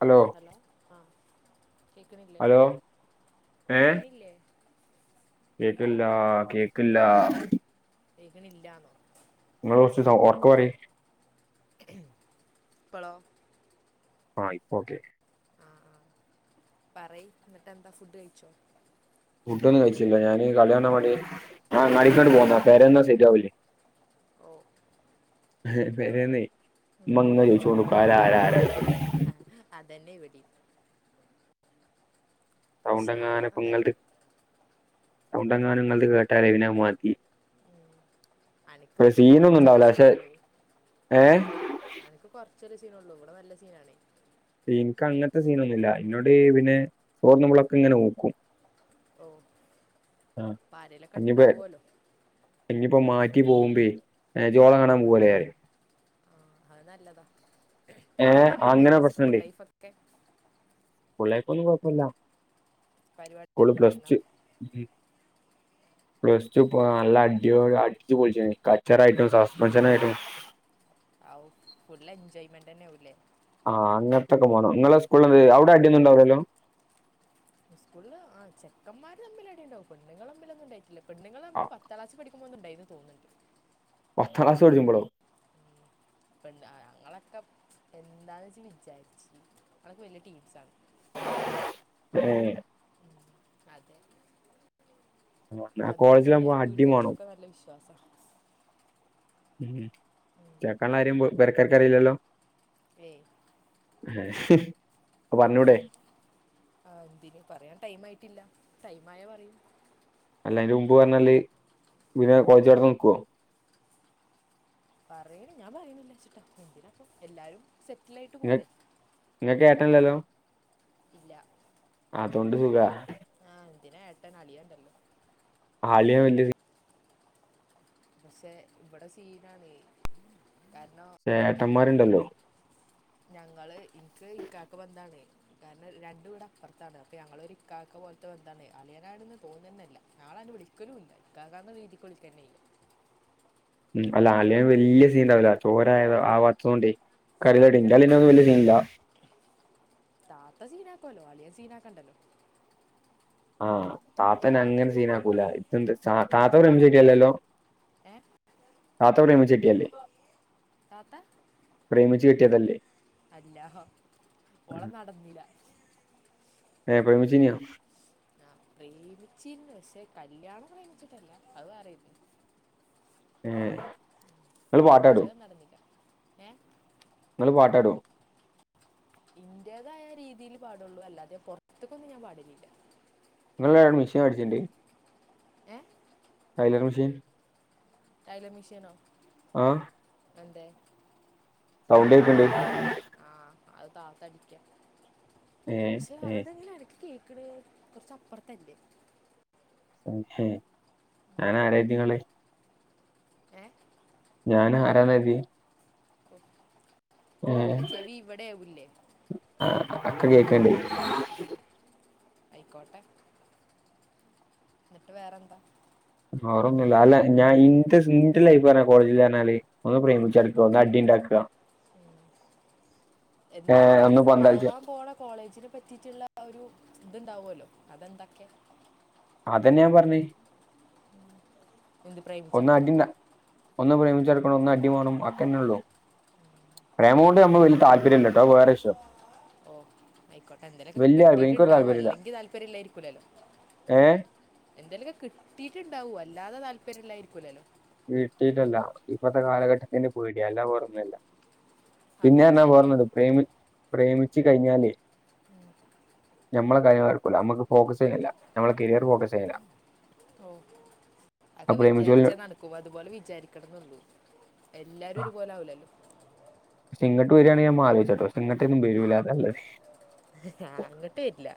Hello hello അഹ് കേക്ക്ണില്ലേ? Hello കേക്ക്ണില്ലേ? കേക്കിൺല്ലാ കേക്കിൺല്ലാ കേക്കിണില്ലാ ഇങ്ങൾ കൊർച്ച് സൗ ഒർക്കെ പ്പളോ ആഹ് ഇപ്പോക്കെ ആഹ് പറയ് ന്നട്ടെന്താ ഫുഡ് കഴിച്ചോ? ഫുഡൊക്കെ കഴിച്ചില്ല ഞാനീ കടയെ ള്ളപണി ഞാ അങ്ങാടിക്കണ്ട് പോന്നാ പേരെന്നാ സെരിയാവൂലെയ് ഓഹ് പെരേന്നെ ഇമ്മങ്ങനെ ചോയ്‌ച്ചോണ്ട്ക്കും ആര ആര ആരാന്നെ ഹഹ് അതന്നെ ഇവിടിം പ്രശ്നാണ് സൗണ്ടങ്ങാനുംപ്പങ്ങൾത് അതന്നെ സൗണ്ട ങ്ങാനുംങ്ങൾത് കേട്ടാലെ പിന്നെ അവ്മതി ഉം. അനക്ക് അല്ല പിന്നെ കുറച്ചല്ലേ സീന്നൊന്നുംണ്ടാവൂല പക്ഷെ സീനുള്ളൂ ഏഹ് അനക്ക് കുറച്ചൊരു സീനൊള്ളൂ ഇവടെ നല്ല സീനാണെ ഇൻക്കങ്ങൻത്തെ സീനൊന്നുല്ല ഇന്നോട് പിന്നെ ചോർന്നുബളൊക്കെങ്ങനോക്കും ഓഹ് ആഹ് ഇഞ്ഞിപ്പേ ഇഞ്ഞിപ്പം മാറ്റി പോകുമ്പേ ഏ ജ് ഓളെകാണാം പോവല്ലേ ഞാൻ അത് നല്ലതാ ഏ അങ്ങനെ എങ്ങനെണ്ടായിന്നു സ്കൂൾ ലൈഫൊക്കെ സ്കൂളൈഫൊന്നും കുഴപ്പല്ല സ്കൂള് പരിപാടികളൊക്കെ പ്ലസ് ഉണ്ടായിരുന്നോ ടു ഉം പ്ലസ് ടു നല്ല അടിപൊ അടിച്ച് പൊളിച്ച കച്ചറായിട്ടും സസ്പെൻഷനായിട്ടും ആവു ഫുള്ള് എൻജോയ്മെന്റന്നാവുലെ ആഹ് അങ്ങൻത്തൊക്കെ വാണം ഇങ്ങളെ സ്കൂള്ത് അവിടെ അടിയൊന്നുണ്ടാവൂലല്ലോ സ്കൂളില് ആഹ് ചെക്കമ്മാര് തമ്മിലടിണ്ടാക്കും പെണ്ണ്ങ്ങളമ്മിലൊന്നും ഉണ്ടായ്ട്ടില്ല പെണ്ണുൾ തമ്മിൽ പത്താം ക്ലാസ് പഠിക് ക്കുമ്പോന്നുണ്ടായിന്ന് തോന്ന്ണ്ട് പത്താം ക്ലാസ് പടിക്കുമ്പളോ ഉം. ഞങ്ങളൊക്കെ എന്താന്ന് വെച്ച വിചാരിച്ഞങ്ങളൊക്കെ വല്യ ടീംസാണ് ഹേ അതെ അതൊണ്ട് പിന്നെ കോളേജിലാകുമ്പോ അടി വീട്ടേര് മാണം കർക്കൊക്കെ നല്ല വിശ്വാസാണ് ഉ ചെക്കന്റെ കാര്യം പെരക്കർക്കറിയില്ലല്ലോ ഹേ ഹഹ് അതിന് പറയാൻ ടൈം ആയിട്ടില്ല ടൈമായ പറയും അല്ല അതിന്റെ മുമ്പ് പറഞ്ഞാല് പിന്നെ കോളേജ് വിടൽ നിക്കുവോ പറയണ ഞാൻ പറയുന്നില്ല ചിട്ടാ ന്തിനാപ്പോ എല്ലാരും സെറ്റിൽ ആയിട്ട് പോരെ നിങ്ങൾക്ക് ഏട്ടൻലാല്ലോ ഇല്ല അതോണ്ട്സുഖ ആഹ്‌ എന്തിനാ ഏട്ടൻ അളിയണ്ടല്ലോ അളിയൻ വാല്ലിയെ സീ പക്ഷെ ഇവിടെ സീനാണ് കാരണം ചേട്ടന്മാരിണ്ടല്ലോ ഞങ്ങള് എനിക്ക് ഇക്കാക്ക് ബന്താണ് കാരണം രണ്ടു വീടപ്പറത്താണ് അപ്പൊ ഞങ്ങളൊരു ഇക്കാക്ക് പോലത്തെ ബന്താണ് അളിയനാണെന്ന് തോന്നന്നെല്ല ആളെ അന്നെ വിളിക്കലുല്ല ഇക്കാക്ക എന്ന് രീതിക്ക് വിളിക്ക തന്നെ ഇല്ല ഉ അല്ല അളിയൻ വല്യ സീനാവൂല ചോര ആവത്തതോണ്ടെ ഇന്റളിയനൊന്നും വല്ലിയ സീനില്ല താത്ത സീനാക്കുവല്ലോ അളിയൻ സീന ആക്കണ്ടല്ലോ ആഹ് ആ താത്തനങ്ങനെ സീനാകുല താത്ത പ്രേമിച്ചേട്ടിയതല്ലല്ലോ ഏഹ് താത്ത പ്രേമിച്ചേട്ടിയതല്ലേ താത്ത പ്രേമിച്ച് കെട്ടിയതല്ലേ അല്ല ഹ് ഓളെ നടന്നില്ല ഏ പ്രേമിച്ചിരുന്നോ പ്രേമിച്ചിരുന്നു പക്ഷേ കല്യാണം പ്രേമിച്ചിട്ടല്ല അത് വേറെയായിരുന്നു ങ്ങേ പ്രേമിച്ചത് നടന്നില്ല ഏഹ ങ്ങള് പാട്ടുപാടോ ഇന്റേതായ രീതിയിൽ പാടുള്ളൂ അല്ലാതെ പൊറത്തുക്കൊന്നും ഞാൻ പാടലില്ല ഇങ്ങളാവടെ മിഷൻ അടിച്ചിണ്ട് ഏഹ് ടൈലർ മിഷൻ ടൈലർ മിഷനോ ആഹ് എന്തെ സൗണ്ട് കേക്ക്‌ന്ണ്ട് ആഹ്‌ അത് താത്തടിക്ക ഏഹ് പക്ഷെ ഏഹ് അതെങ്ങനെ അനക്ക്കേക്ണ് കൊറച് അപ്പറത്തല്ലേ ഞാനാരര്തിങ്ങള് ഏഹ് ഞാൻ ആരാന്ന് കരുതി അത് പിന്നെ ചെവി ഇവിടെ ആവുല്ലേ ആ കേക്നില്ലേ അയിക്കോട്ടെ എന്നിട്ട് വേറെ എന്താ വേറൊന്നും അല്ല ഞാൻ ഇന്റെ ഇന്റെ ലൈഫ് പറഞ്ഞ കോളേജില് പറഞ്ഞാല് ഒന്ന് പ്രേമിച്ചടുക്ക ഒന്ന് അടി ഇണ്ടാക്ക ഏഹ് എന്താണിഞ്ഞ് ഒന്ന് പന്തളിച്ച പോവാൻ പോണ കോളേജിൽ പറ്റിട്ടുള്ള ഒരു ഇതുണ്ടാവുല്ലോ അത് എന്തൊക്കെ അതന്നെയാ ഞാൻ പറഞ്ഞെ എന്ത് പ്രേമിച്ച് ഒന്ന് അടി നടക്കണന്നോ ഒന്ന് പ്രേമിച്ചടുക്കണം ഒന്ന് അടി വേണം അക്കന്നെ ഉള്ളു പ്രേമം കൊണ്ട് നമ്മ വലിയ താല്പര്യല്ലട്ടോ വേറെ വിഷയം ഓഹ് ആയിക്കോട്ടെ എന്തേലൊക്കെ വലിയ താല്പര്യം എനിക്കൊരു കിട്ടിട്ടുണ്ടാവോ താല്പര്യമില്ല അല്ലെങ്കി താല്പര്യം ഇല്ലായിരിക്കൂലല്ലോ ഏഹ് എന്തേലൊക്കെ കിട്ടീട്ടുണ്ടാവും അല്ലാതെ താല്പര്യം ഇല്ലായിരിക്കൂലല്ലോ കിട്ടീട്ടല്ല ഇപ്പത്തെ കാലഘട്ടത്തിന് പേടിയാ അല്ലാ വേറൊന്നും അല്ല അതും പിന്നെർഞ്ഞാ ശരിയാണ് വേർഞ്ഞത് പ്രേമി പ്രേമിച്ചു കഴിഞ്ഞാലേ ഉം ഞമ്മളെ കാര്യങ്ങള് നടക്കൂല നമ്മക്ക് ഫോക്കസ് ചെയ്യുല്ല നമ്മള കരിയർ ഫോക്കസ് ചെയ്യുല്ല ഓഹ് അത് പ്രേമിച്ചു വിചാരിച്ചാ നടക്കും അതുപോലെ വിചാരിക്കണം എന്നുള്ളു എല്ലാരും ഒരു പോലെ ആവില്ലല്ലോ ഫസ്റ്റ് ഇങ്ങട്ട് വരിയാണെ ഞാ ആലോചിച്ച്ട്ടോ പക്ഷെ ഇങ്ങിട്ടൊന്നും വരില്ല അതല്ലേ ആഹ് അങ്ങ്ട്ട് വരില്ല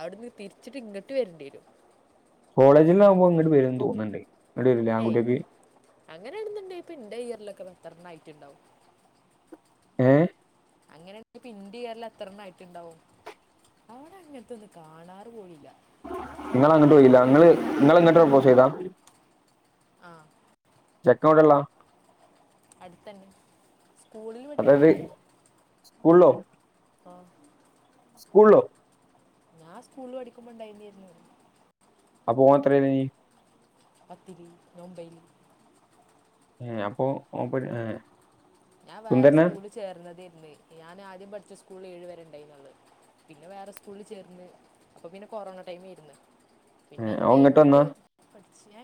അവിടുന്ന് തിരിച്ചിട്ട് ഇങ്ങോട്ട് വരേണ്ടി വരും കോളേജില് ആകുമ്പോ ഇങ്ങട് വരുന്ന് തോന്നുന്നുണ്ടേ ഇവിടെ എല്ലാം കൂടിയൊരു അങ്ങനെ ഇടുന്നുണ്ടെ ഇപ്പൊ ഇന്റെ ഇയറിലൊക്കെ [unintelligible] ആയിട്ടുണ്ടാവും ഏഹ് അങ്ങനെ പി ഇന്റിയറിൽ എത്ര എണ്ണം ആയിട്ടിണ്ടാവും അവടെ അങ്ങനത്തെ ഒന്നും കാണാറ് പോലും ഇല്ല നിങ്ങള് അങ്ങട്ട് പോയില്ല നിങ്ങള് നിങ്ങള് അങ്ങോട്ട് പ്രൊപ്പോസ് ചെയ്താ ആഹ് ചെക്കനെവിടെ ഇള്ളതാ അടുത്തന്നെ സ്കൂളിൽ പഠിക്കുമ്പോ അതായത് ഇള്ളതാ ആഹ് സ്കൂളോ ഞാൻ സ്കൂൾ പഠിക്കുമ്പോ ഇണ്ടായിനിരുന്നു അപ്പ ഓൻ എത്രയിലായിനി പത്തില് ഞാ ഒമ്പൈല് അപ്പൊ [unintelligible] ഏഹ് ഞാൻ വേറെ സുന്ദരനാ സ്കൂളിൽ ചേർന്നതേർന്നു ഇന്ന് ഞാൻ ആദ്യം പഠിച്ച സ്കൂളിൽ ഏഴ് വരെ ഇണ്ടായിരുനുള്ളു പിന്നെ വേറെ സ്കൂളിൽ ചേർന്ന് അപ്പൊ പിന്നെ കൊറോണ ടൈം ആയിരുന്നു പിന്നെ ഏഹ് അത് ഓൻ ഇങ്ങട്ട് കഴിഞ്ഞിട്ട് വന്നാ പഠിച്ചില്ല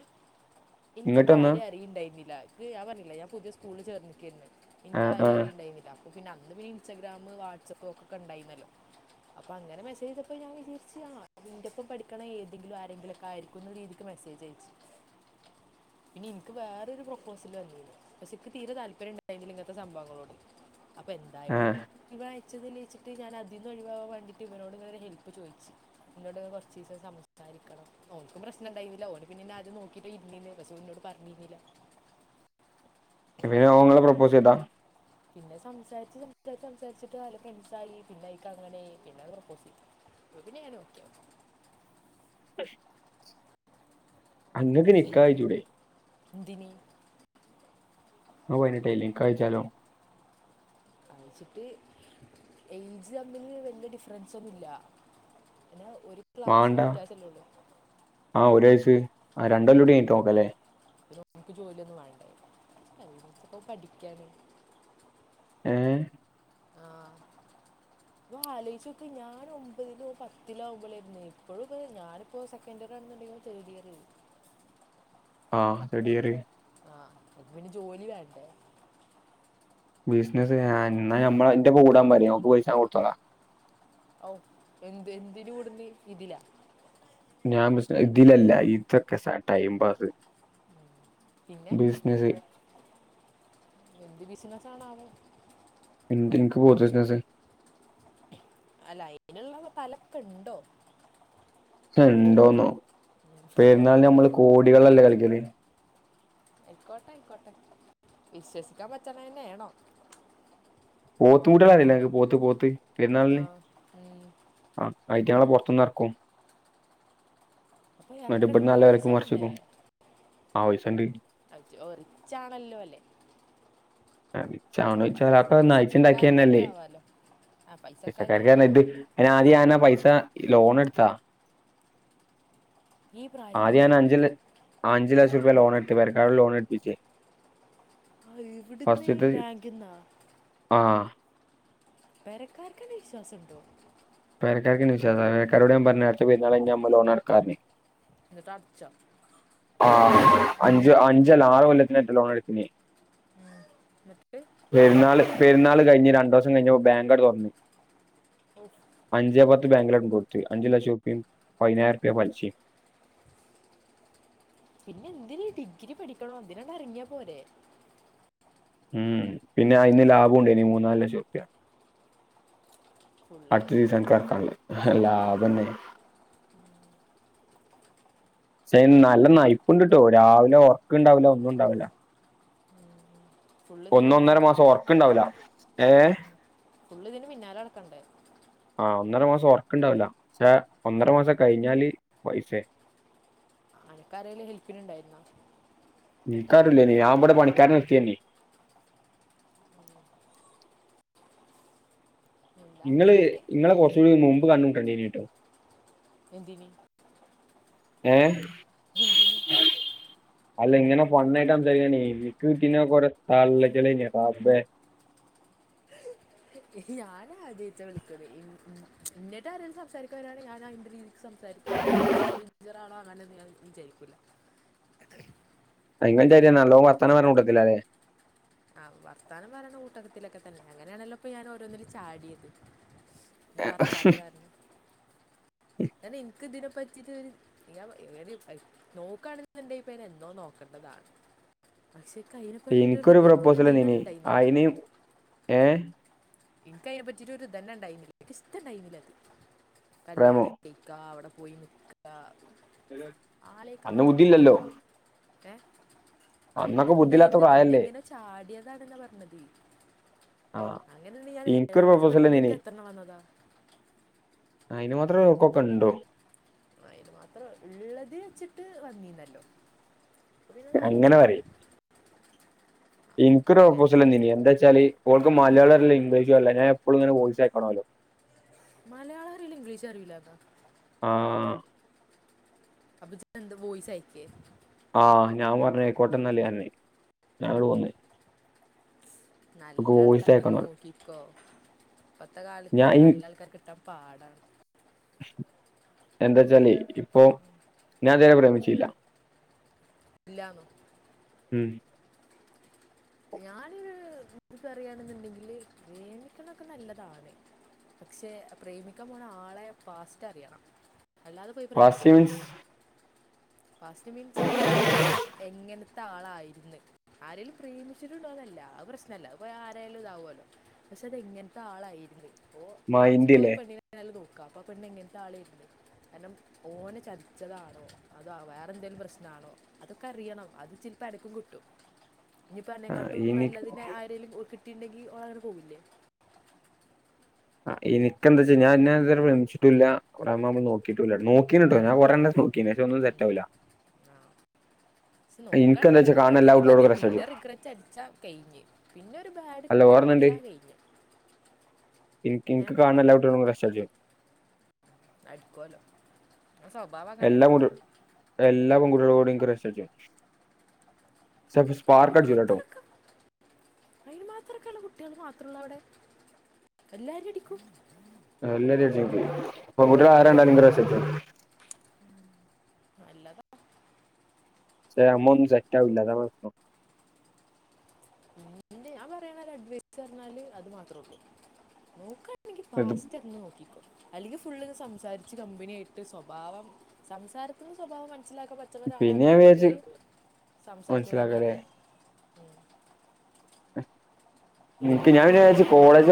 ഇങ്ങട്ട് എനിക്കപ്പം വന്നാ ആരും അറിണ്ടായിരുന്നില്ല ഞാൻ പറഞ്ഞില്ലെ ഞാ പുതിയ സ്കൂളിൽ ചേർന്നിരിക്കാരും എനിക്ക് ആഹ് ആരും ആഹ് അറിയിണ്ടായിന്നില്ല ഓഹ് പിന്നെ അന്ന് പിന്നെ ഇൻസ്റ്റാഗ്രാം വാട്സാപ്പ് ഒക്കെണ്ടായിരുന്നല്ലോ അപ്പൊ അങ്ങനെ മെസേജ് അയച്ചപ്പ ഞാൻ വിചാരിച്ചു ആണ് നിന്റെപ്പ പഠിക്ക ഏതെങ്കിലും ആരെങ്കിലൊക്കെ ആരിക്കും പിന്നെ ഇൻക്ക് മെസേജ് അയച്ചു ഉ പിന്നെ എനിക്ക് വേറൊരു പ്രൊപ്പോസൽ വന്നിരുന്നു പക്ഷേ എനിക്ക് തീരെ താല്പര്യം ഉണ്ടായിരുന്നില്ല അ ഇങ്ങനത്തെ സംഭവങ്ങളോട് അപ്പൊ എന്തായാലും ആഹ് ഇവ അയച്ചതല്ലേന്ന് വെച്ചിട്ട് ഞൻ അതീന്ന് ഒഴിവാൻ വേണ്ടിട്ട് ഇവരോട് ഇങ്ങനെ ഹെൽപ് ചോദിച്ചു ഇന്നോട് കൊറച്ചീസം സംസാരിക്കണം ഓക്കും പ്രശ്നം ഇണ്ടാരുന്നില്ല ഓന് പിന്നെ ആദ്യം നോക്കിട്ട് [unintelligible] പറഞ്ഞിരുന്നില്ല പിന്നെ ഓൻ ഇങ്ങളെ പ്രൊപ്പോസ് ചെയ്താ പിന്നെ സംസാരിച്ച് സംസാരിച്ച് സംസാരിച്ചിട്ട് നല്ല ഫ്രണ്ട്സ് ആയി പിന്നെ ഇക്ക അങ്ങനെ പിന്നെ പ്രൊപ്പോസ് ചെയ്യ്തു ഇതിന് ഞാൻ ഓക്കേ ‌ അങ്ങക്ക് നിക്കാഹ് കയ്ചൂടെ എന്തിന് അണക്ക് പയ്നട്ടയിലെ നിക്കാഹ് കൈച്ചാലോ കൈച്ചിട്ട് എയ്ജ് തമ്മില് വല്യ ഡിഫറൻസ് ഒന്നുല്ല പിന്നെ ഒരു മാണ്ടാ ഉള്ളൂ ആഹ് ഒരു വയസ്സ് ആഹ് രണ്ടൊല്ലം കൂടി കയ്ഞ്ഞിട്ട് നോക്കലേ പിന്നെ ഓൾക്ക് ജോലിയൊന്നും വാണ്ടേ പെൺകൊച്ചു പ്പോ പഠിക്കാന് ഏഹ് ആഹ് [unintelligible] അപ്പൊ ആലോച്ചൊക്കെ ഞാൻ ഒന്ന് ആലോയ്ച്ചു നോക്ക് ഒമ്പതിലോ പത്തിലോ ആവുമ്പളാരുന്നെയ് ഇപ്പഴും ഇപ്പെ ഞാന് ഇപ്പോ സെക്കൻഡറാന്നുണ്ടെങ്കിൽ ഓൻ തേർഡ് ഇയറ് ആഹ് തേഡിയറ് ആഹ് അപ്പൊ പിന്നെ ജോലി വേണ്ടേ ബിസിനസ് ഞ ഇന്നാ ഞമ്മള ന്റൊപ്പം കൂടാൻ പറിം ഓൻക് പൈസ ഞാൻ കൊടുത്തോളാ ഔ എന്ത് എന്തിന് കൂട്ന്ന് ഇതിലാ ഞാൻ ബിസ് ഇതിലല്ല ഇതൊക്കെ സ ടൈം പാസ് പിന്നെ ബിസിനസ് എന്ത് ബിസിനസണാവോ എന്ത് ഇൻക്ക് പോത്ത് ബിസിനസ് അല്ല അയ്നുള്ള തലക്കെണ്ടോ റ്റെ ഇണ്ടോന്നോ ആ പെരുന്നാൾന് നമ്മള് കോടികളല്ലേ കളിക്കല് ആയ്ക്കോട്ടെ ആയിക്കോട്ടെ വിശ്വസിക്കാൻ പറ്റ്ണതന്നെ ആണോ പോത്തും കൂട്ടിയാളെ അറീല്ലെ അനക്ക് പോത്ത് പോത്ത് ആ പെരുന്നാളിന് ഉം. ആഹ് അയ്റ്റങ്ങളെ പോറത്തുന്ന് എറക്കും അപ്പൊ ന്നിട്ട് ഇബ്ട്‌ന്ന് ഇറക്കണമെങ്കിൽ നല്ല പൈസ വെലക്കും വേണ്ടേ മർച്ച്ക്കും ആ പൈസണ്ട് അജ്ജോ റിച്ചാണല്ലോല്ലേ റിച്ചാണോയ്ച്ച പൈ- എളാപ്പ നയിച്ചിണ്ടാക്കിയ പൈസക്കാർക്ക് എന്തോ തന്നെല്ലേ ആവാലോ ആ പൈസക്കാർക്ക് പൈസക്കാര്ക്കാ എന്തോ ആവാലോ [unintelligible] അയ്ൻ ആദ്യ ഞാൻ ആ പൈസ ലോൺ എടുത്താ ഈ ആദ്യ പ്രായത്തിലാ ഞാൻ അഞ്ചുലക് അഞ്ചു ലക്ഷം രൂപ ലോൺ എടുത്ത് പേരക്കരോട് ലോൺ എടുപ്പിച്ച് അഹ് എവിടുന്ന് ബാങ്കിന്നോ ആഹ് പെരക്കാർക്കന്നെ വിശ്വാസണ്ടോ പെരക്കാർക്കെന്നെ വിശാസ പേരക്കാരോട് ഞാൻ പറഞ്ഞു അടുത്ത പെരുന്നാൾ കയ്ഞ നമ്മൾ ലോൺ അടക്കാറഞ്ഞെയ് ഇന്നിട്ട് അടച്ചോ ആഹ് അഞ്ച് അഞ്ചല്ല ആറ് കൊല്ലത്തിനേറ്റെ ലോൺ എടുത്തീനെ ആഹ് ന്ന്ട്ട് പെര്ന്നാള് പെരുന്നാള് കയിഞ് രണ്ടൂസം കഴിഞ്ഞപ്പം ബാങ്കട് തൊറന്നു എസ് അഞ്ചേ പത്ത് ബാങ്കിലണ്ട് കൊടുത്തു അഞ്ചു ലക്ഷംറുപ്യ പതിനായിരുർപ്യ പലിശി പിന്നെ എന്തിന് ഡിഗ്രി പഠിക്കണോ ഇതിനങ‌ട്ട് എറങ്ങിയാ പോരെ ഉം പിന്നെ അയ്ന് ലാബോണ്ടയ്നു മൂന്നാല് ലക്ഷം റുപ്യാ ഫുള്ള് അടുത്ത സീസനിക് എറക്കാളെ സെറ്റ് തന്നെ ലാഭന്ന പക്ഷെ അയ്ന് നല്ല നയ്പ്പ്ണ്ട്ട്ടോ രാവിലെ ഒർക്കുണ്ടാവില്ല ഒന്നും ഉണ്ടാവില്ല ഫുള്ള് ഇതിന് പിന്നാലെ ഒന്നൊന്നര മാസം നടക്കണ്ടേ ഒർക്ക് ഉണ്ടാവുല ഏഹ് ഫുള്ളു ഇതിന് പിന്നാലെ നടക്കണ്ടേ ആഹ് ഒന്നര മാസം ഒർക്കുണ്ടാവില്ല പക്ഷെ ഒന്നര മാസം കഴിഞ്ഞാല് പൈസെ ആനക്കാരെലും ഹെൽപ്പിന് ഇണ്ടായിരുന്നോ ഇൻക്കരുല്ലായിന്നു ഞാൻ ഇബടെ പണിക്കാരനെ നിർത്തിയീന് ഉം ഉം എന്താ ഇങ്ങള് അങ്ങനൊക്കെ ഇങ്ങളെകൊറച്ചൂടി മുമ്പ് കണ്ട് മുട്ടൻണ്ടീനിട്ടോ എന്തിന് ഏഹ് എന്തിന് ! ! ! ! ! ! ! ! ! ! ഞാനാആദ്യായിട്ട വിളിക്കല് ഇൻ ഇൻ ഇന്നേയ്റ്റാരേലും സംസാരിക്കാവരാണെങ്കി ഞാനാ രീതി സംസാരിക്കുമോ ഇൻക്ക്പ്പൊ സ്ട്രേഞ്ചറആണോ അങ്ങനെന്തിനാ വിവിചാരികൂല ഇങ്ങൾന്റാരിന്ന നല്ലോ വർത്താനം പറ്ണകൂട്ടത്തിലാല്ലേ ആഹ് വർത്താനംപറയുന്ന കൂട്ടകത്തിലൊക്കെ തന്നേ അങ്ങനെയാണല്ലോഇപ്പ ഞാന്ഓരോന്നിലു ചാടിയത് ന്റെ വർത്താനംകാരണം കാരണംഇൻക്ക് ഇതിനെപ്പറ്റിട്ടൊര് ഇഞ്ഞാവോ ഇവനികൈ നോക്കണേണ്ടെപ്പെനെന്നോ നോക്കണ്ടതാണ് പക്ഷെ ഇക്കയിനപറ്റീട്ടൊരു എനിക്കൊരു ഇത് എനിക്കൊരു പ്രൊപ്പോസൽ ഇതും തന്നെ വന്ന്നീ ഉണ്ടായിരുന്നില്ല ആയിന്നീം ഏഹ് ഇൻക്ക് അയിനെ പറ്റിയിട്ടൊരുതന്നെ ഇണ്ടായിരുന്നില്ല ഇൻക്ക് ഇഷ്റ്റണ്ടായിന്നില്ല അത് പ്രേമോ കല്യാണേ ഇക്ക അവടെപോയിനിക്ക അന്ന് ആലോയിക്കാപറ്റുന്നില്ല ബുദ്ധിയില്ലല്ലോ ഒക്കെ അന്ന് അന്നൊക്കെ ബുദ്ധിയില്ലാത്ത ഇണ്ടായിരുന്നു പിന്നെ പ്രായല്ലേ എങ്ങനൊ ചാടിയതാണ്ന്നാ പറഞ്ഞത് ആഹ് അങ്ങനെണ്ട് ഇനിക്കൊരു ഏഴാം ക്ലാസ് പ്രൊപ്പോസൽ പഠിക്കുമ്പോ തന്നീനി ഇൻക്ക് എത്രണ്ണം വന്നതാ അയിനുമാത്രോള്ള ചൊർക്കൊക്ക ഇണ്ടോ അയിനുമാത്രം ഉള്ളതിൽവെച്ചിട്ട് വനീന്നല്ലേ അങ്ങനെപറി ഇൻക്കൊരു അങ്ങനെ പ്രൊപ്പോസൽ വന്നീനി എന്താ ച്ചാല് ഓൾക്മലയാളംഅറീല ഇംഗ്ലീഷും അറിള ഞാൻഎപ്പളും ഇങ്ങനെ വോയിസ് അയക്കണോല്ലോ മലയാളംഅറിയില്ല ഇംഗ്ലീഷ് അറിയൂലന്നോ ആഹ് അപ്പൊ ഇജ്ജ്എന്ത വോയിസ് അയക്കേ ആഹ് ഞാൻപറഞ്ഞ് അയ്ക്കോട്ടന്നാല് പറഞ് ഞാൻ ഇങ്ങട്ട്പോന്ന് നല്ല വോയിസ് അയക്കണം പറഞ്ഞു ആൾക്കാരൊക്കെനോക്കിക്കോ ഞാൻ ഇപ്പത്തകാലത്തൊന്നും ഈ നല്ലആൾക്കാരേകിട്ടാം പാടാണ് എന്താച്ചാല് ഇപ്പൊ ഞാൻ ഇത് വരേ പ്രേമിച്ചീല്ല ഇല്ല്യാന്നോ ഉം ഞാനൊരു ഇൻക്കറിയണെന്ന്ണ്ടെങ്കില് പ്രേമിക്ക്ണൊക്കെ നല്ലതാണ് പക്ഷെ പ്രേമിക്കാപോണആളെ ഫാസ്റ്റ്അറിയണം അല്ലാതെപോയി ഫാസ്റ്റ് പ്രേമിക്കര്ത് മീൻസ് ഫാസ്റ്റ് മീൻസ് എങ്ങൻത്തെ ആളായിരുന്ന് ആരേലും പ്രേമിച്ചിട്ടുണ്ടോന്നല്ല അഹ് പ്രശ്നല്ല അഹ്പ്പൊരാരായാലും ഇതാവോഅല്ലോ പക്ഷെ അതെങ്ങൻത്തെ ആളായിരുന്ന് ഓ ഇപ്പേ ഇജ്ജിപ്പോ മൈൻഡില്ലേ ഒരുപെണ്ണിനെ നല്ലനോക്ക അപ്പൊ ആപെണ്ണ് എങ്ങൻത്ത ആളേര്ന്ന് കാരണം ഓനെ ചതിച്ചതാണോ അതോ വേറെഎന്തേലും പ്രശ്നാണോ അതൊക്കെ അറിയണം അത് ചിൽപ്പം അനക്കും കിട്ടും ഇഞ്ഞിപ്പ ആഹ് അന്നേകാട്ടും എനിക്ക് നല്ലതിനെ ആരേലും ഓൽകിട്ടിണ്ടങ്കി ഓളങ്ങനെ പോവൂലെ ആഹ് ഇൻക്കന്താച്ചഴിഞ്ഞ ഞാൻ നാം ഇത് വരേ പ്രേമിച്ചിട്ടില്ല കൊറേ അമ്മാവുമ്പോൾ നോക്കിട്ടു ഇല്ലട്ടോ നോക്കീണ്ട്ട്ടോ ഞാൻ കൊറേ എണ്ണം നൊ ക്കീണ് പഷേ ഒന്നും സെറ്റവുല ആഹ് പക്ഷ് ഇനിക്ക് എന്താ വെച്ചാ നോക്കാനിങ്ങനെഒക്കെ കാണുന്ന എല്ലാ നോക്കിട്ട് കുട്ടികളോടും മതി ക്രഷ് അടിച്ചു പിന്നെറിഗററ്റടിച്ചാ കഴിഞ്ഞ് പിന്നെഒരുബാഡ് അല്ല ഓർമ്മണ്ട് കിട്ടിയാ കയ്ഞ്ഞു ഇൻഇൻക്ക് കാണ്ന്ന എല്ലകുട്ട്യാളോടും ക്രേഷ്അടിച്ചീണ് അടികോലോ ഇങ്ങളെ സ്വഭാവ എല്ലാ പെൺകുട്ട്യൾ എല്ലാ പെൺകുട്ട്യളോടും ഇൻക്ക് ക്രഷ് അടിച്ചും അയിനു മാത്രം ഒക്കെ അയിനുമാത്രക്കള്ള കുട്ട്യാള് മാത്രള്ളു അവിടെ എല്ലാരിം അടിക്കും എല്ലാരിഅടിച്ചീണ് ഇപ്പൊയി പെങ്കുട്ട്യളാരകണ്ടാലും ഇൻക്ക് ക്രഷ് അടിച്ചും ഉം നല്ലത നമ്മളൊന്നും സെറ്റാവില്ല അതാ കൊഴപ്പം ഞാൻ പറയണ അഡ്വൈസ് പറഞ്ഞാല് അത് മാത്രള്ളൂ നോക്ക ഇല്ലെങ്കിൽ ഇത് പാസ്റ്റ് അന്നെ നോക്കിക്കൊ അല്ലെങ്കിൽ ഫുള്ള് സംസാരിച്ച് കമ്പനിയായിട്ട് സ്വഭാവം സംസാരത്തിന്ന് സ്വഭാവം മനസ്സിലാക്ക പ റ്റാത്ത പിന്നെ ഞാൻ വിചാരിച്ച് ഒരാളാണെന്നുണ്ടെങ്കില് സംസാരിച്ച തന്നെ മനസ്സിലാക്കല്ലേ അറിയാം ഇപ്പം ഞാൻ അപ്പം വിചാരിച്ച് എൻ്റെ കോളേജ്